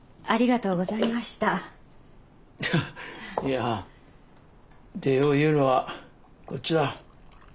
いや礼を言うのはこっちだ。